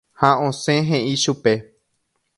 ha osẽ he'i chupe